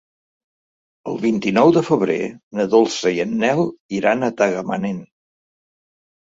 El vint-i-nou de febrer na Dolça i en Nel iran a Tagamanent.